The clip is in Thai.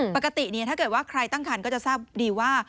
ปกติถ้าเกิดว่าใครตั้งคันก็จะทราบดีว่า